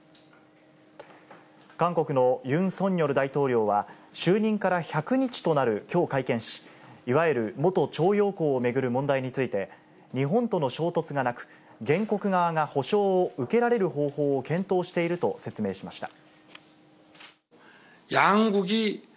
韓国のユン・ソンニョル大統領は、就任から１００日となるきょう会見し、いわゆる元徴用工を巡る問題について、日本との衝突がなく、原告側が補償を受けられる方法を検討していると説明しました。